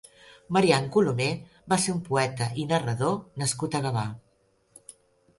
Marian Colomé va ser un poeta i narrador nascut a Gavà.